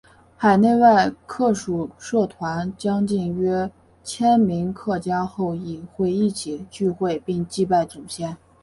海内外客属社团将近约千名客家后裔会一起聚会并祭拜祖先。